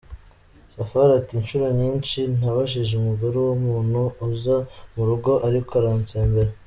Safari ati : “Inshuro nyinshi nabajije umugore uwo muntu uza mu rugo, ariko arantsembera.